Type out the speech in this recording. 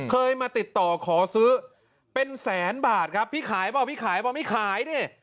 เคยมาติดต่อขอซื้อเป็นแสนบาทครับพี่ขายเปล่าพี่ขายเปล่าไม่ขายดิ